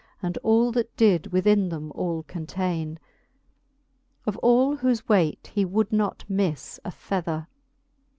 And all that did within them all containe ; Of all whofe weight he would not miffe a fether.